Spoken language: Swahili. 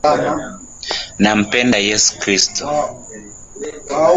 Nampenda yesu Kristo